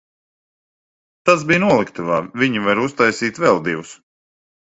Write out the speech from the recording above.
Tas bija noliktavā, viņi var uztaisīt vēl divus.